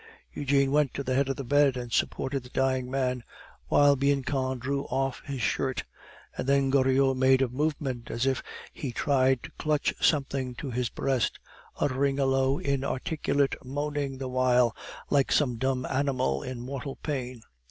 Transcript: Eugene went to the head of the bed and supported the dying man, while Bianchon drew off his shirt; and then Goriot made a movement as if he tried to clutch something to his breast, uttering a low inarticulate moaning the while, like some dumb animal in mortal pain.